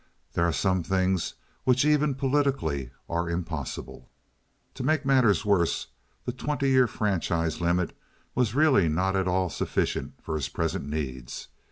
There are some things which even politically are impossible. To make matters worse, the twenty year franchise limit was really not at all sufficient for his present needs.